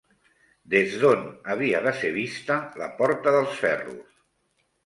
Des d'on havia de ser vista la Porta dels Ferros?